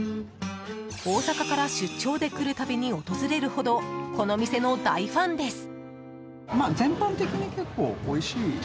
大阪から出張で来る度に訪れるほどこの店の大ファンです。